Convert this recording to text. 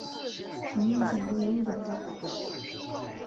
曾入选过的日本代表队。